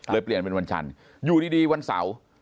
เปลี่ยนเป็นวันจันทร์อยู่ดีวันเสาร์